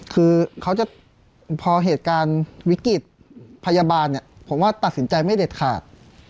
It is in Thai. คือเขาจะพอเหตุการณ์วิกฤตพยาบาลเนี่ยผมว่าตัดสินใจไม่เด็ดขาด